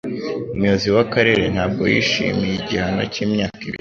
Umuyobozi w'akarere ntabwo yishimiye igihano cy'imyaka ibiri